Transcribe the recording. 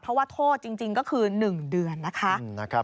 เพราะว่าโทษจริงก็คือ๑เดือนนะคะ